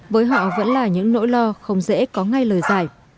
với họ vẫn là những nỗi lo không dễ có ngay lời giải